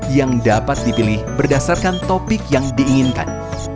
yang dapat dipilih berdasarkan topik yang diinginkan